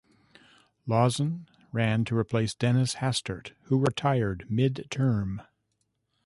Lauzen ran to replace Dennis Hastert, who retired mid-term.